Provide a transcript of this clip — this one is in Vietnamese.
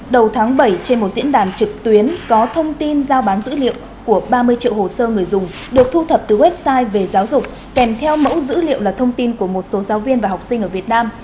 đầu tháng bảy trên một diễn đàn trực tuyến có thông tin giao bán dữ liệu của ba mươi triệu hồ sơ người dùng được thu thập từ website về giáo dục kèm theo mẫu dữ liệu là thông tin của một số giáo viên và học sinh ở việt nam